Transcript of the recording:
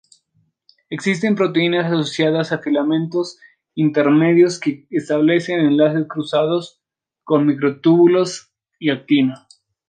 Existen proteínas asociadas a filamentos intermedios que establecen enlaces cruzados con microtúbulos y actina.